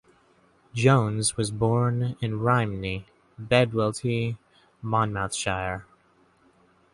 Jones was born in Rhymney, Bedwellty, Monmouthshire.